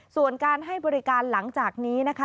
ส่วนการให้บริการหลังจากนี้นะคะ